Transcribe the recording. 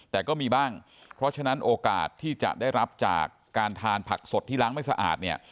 แต่ก็มีบ้างเพราะฉะนั้นโอกาสที่จะได้รับจากการทานผักสดที่ล้างไม่สะอาดเนี่ย